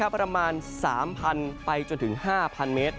ประมาณ๓๐๐๐ไปจนถึง๕๐๐เมตร